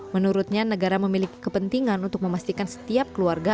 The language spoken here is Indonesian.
menurutnya negara memiliki kepentingan untuk memastikan setiap keluarga